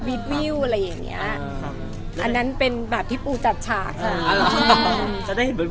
แล้วแต่สถานการณ์ค่ะแล้วแต่สถานการณ์ค่ะแล้วแต่จะมีผู้ใหญ่มาจัดฉากให้หรือเปล่า